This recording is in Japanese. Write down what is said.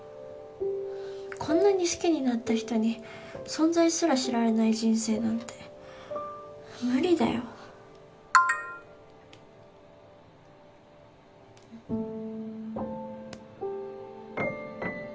こんなに好きになった人に存在すら知られない人生なんて無理だようん？